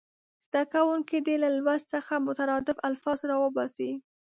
زده کوونکي دې له لوست څخه مترادف الفاظ راوباسي.